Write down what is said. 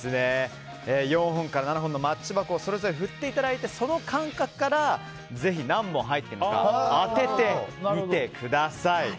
４本から７本のマッチ箱をそれぞれ振っていただいてその感覚からぜひ何本入っているのかを当ててみてください。